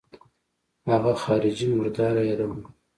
اگه خارجۍ مرداره يادوم.